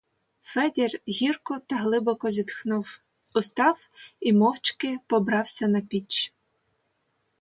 Федір гірко та глибоко зітхнув, устав і мовчки побрався на піч.